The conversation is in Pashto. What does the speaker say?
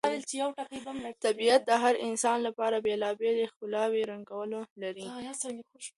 طبیعت د هر انسان لپاره بېلابېل ښکلي رنګونه لري.